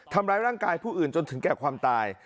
ทำร้ายร่างกายผู้อื่นจนถึงแก่ความตาย